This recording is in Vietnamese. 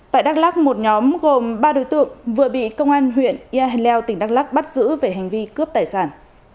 tại đắk lắc một nhóm gồm ba đối tượng vừa bị công an huyện ia hèn leo tỉnh đắk lắc bắt giữ về hành vi cướp tài sản